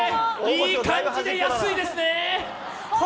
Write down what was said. いい感じで安いですね。